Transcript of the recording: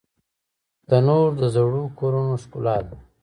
تنور د زړو کورونو ښکلا ده